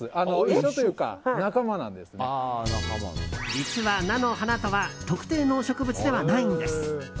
実は、菜の花とは特定の植物ではないんです。